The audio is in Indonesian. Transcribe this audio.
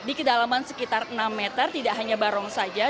di kedalaman sekitar enam meter tidak hanya barong saja